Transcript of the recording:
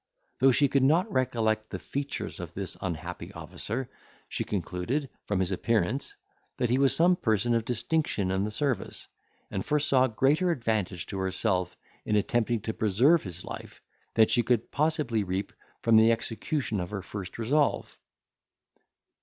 Though she could not recollect the features of this unhappy officer, she concluded, from his appearance, that he was some person of distinction in the service, and foresaw greater advantage to herself in attempting to preserve his life, than she could possibly reap from the execution of her first resolve.